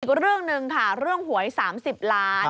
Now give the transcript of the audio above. อีกเรื่องหนึ่งค่ะเรื่องหวย๓๐ล้าน